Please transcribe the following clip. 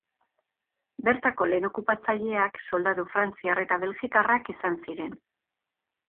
Bertako lehen okupatzaileak soldadu frantziar eta belgikarrak izan ziren.